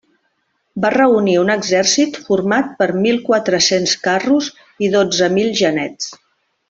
Va reunir un exèrcit format per mil quatre-cents carros i dotze mil genets.